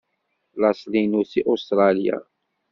Laṣel-inu seg Ustṛalya.